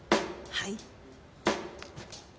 はい。